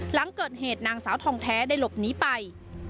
หลังเกิดเหตุนางสาวทองแท้ได้หลบหนีไป